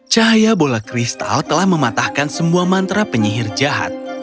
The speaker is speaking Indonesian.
cahaya bola kristal telah mematahkan semua mantra penyihir jahat